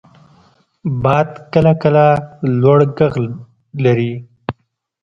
• باد کله کله لوړ ږغ لري.